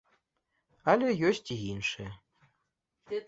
Але ёсць і іншае.